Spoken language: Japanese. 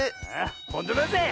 ほんとだぜ！